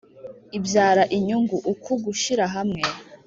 ibyara inyungu. uku gushyira hamwe